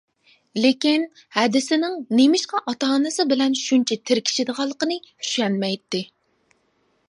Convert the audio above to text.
لېكىن ھەدىسىنىڭ نېمىشقا ئاتا-ئانىسى بىلەن شۇنچە تىركىشىدىغانلىقىنى چۈشەنمەيتتى.